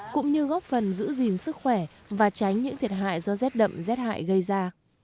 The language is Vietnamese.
cũng như góp phần giữ gìn sức khỏe và tránh những thiệt hại do rét đậm rét hại gây ra